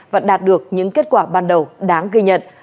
và đạt được những kết quả ban đầu đáng ghi nhận